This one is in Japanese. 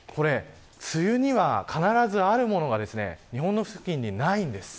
梅雨には必ずあるものが日本の付近にないんです。